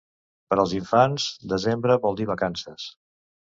Per als infants, desembre vol dir vacances.